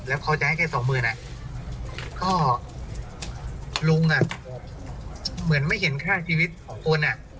แล้วเขาจะให้๒หมื่นน่ะพ่อรุงเหมือนไม่เห็นค่าชีวิตทุกคน